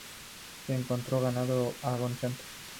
Se encontró ganado agonizante.